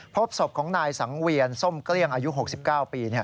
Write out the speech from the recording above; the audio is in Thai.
พบศพของนายสังเวียนส้มเกลี้ยงอายุ๖๙ปี